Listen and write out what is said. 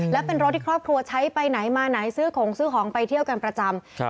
และเป็นรถที่ครอบครัวใช้ไปไหนมาไหนซื้อของซื้อของไปเที่ยวกันประจำ